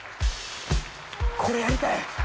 これやりたい！